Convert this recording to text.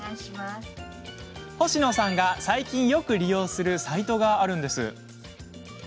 星野さんが最近よく利用するサイトがあるんです。